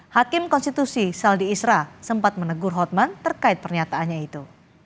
hakim konstitusi saldi isra sempat menegur hotman terkait pernyataannya itu